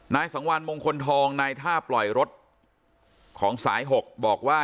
นายสังวันมงคลทองนายท่าปล่อยรถของสาย๖บอกว่า